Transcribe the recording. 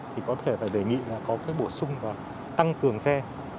thì có thể phải đề nghị là có cái bổ sung và tăng cường xe